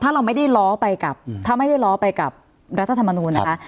ถ้าเราไม่ได้ล้อไปกับถ้าไม่ได้ล้อไปกับรัฐธรรมนูลนะคะ